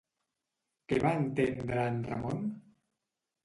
Què va entendre en Ramon?